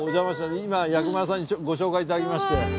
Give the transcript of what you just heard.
今薬丸さんにご紹介頂きまして。